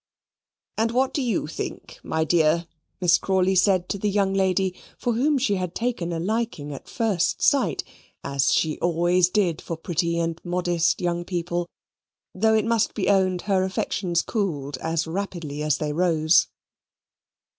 "And what do you think, my dear?" Miss Crawley said to the young lady, for whom she had taken a liking at first sight, as she always did for pretty and modest young people; though it must be owned her affections cooled as rapidly as they rose.